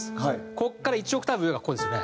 ここから１オクターブ上がここですよね。